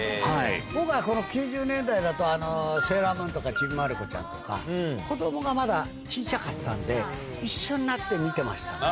僕はこの９０年代だと、セーラームーンとかちびまる子ちゃんとか、子どもがまだちいちゃかったんで、一緒になって見てましたね。